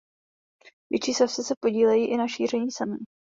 Větší savci se podílejí i na šíření semen.